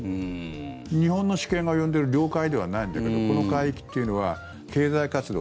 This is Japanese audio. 日本の主権が及んでいる領海ではないんだけどこの海域というのは経済活動